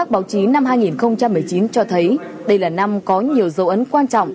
báo cáo đánh giá công tác báo chí năm hai nghìn một mươi chín cho thấy đây là năm có nhiều dấu ấn quan trọng